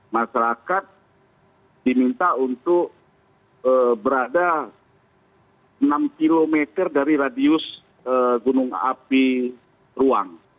masyarakat diminta untuk berada enam km dari radius gunung api ruang